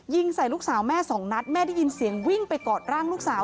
ใส่ลูกสาวแม่สองนัดแม่ได้ยินเสียงวิ่งไปกอดร่างลูกสาว